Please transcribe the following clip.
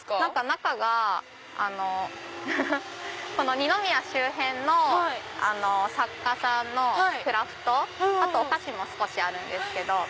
中がこの二宮周辺の作家さんのクラフトあとお菓子も少しあるんです。